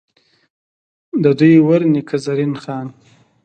ددوي ور نيکۀ، زرين خان ،